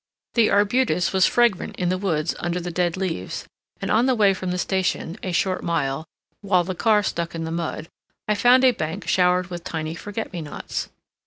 The arbutus was fragrant in the woods under the dead leaves, and on the way from the station, a short mile, while the car stuck in the mud, I found a bank showered with tiny forget me nots.